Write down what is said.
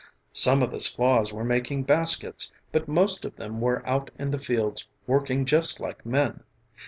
Some of the squaws were making baskets, but most of them were out in the fields working just like men.